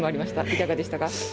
いかがでしたか？